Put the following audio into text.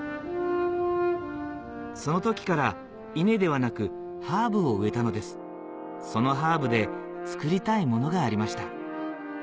その時から稲ではなくハーブを植えたのですそのハーブで造りたいものがありました